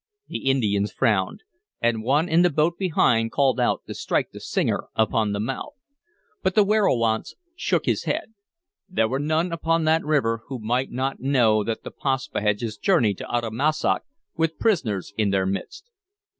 The Indians frowned, and one in the boat behind called out to strike the singer upon the mouth; but the werowance shook his head. There were none upon that river who might not know that the Paspaheghs journeyed to Uttamussac with prisoners in their midst.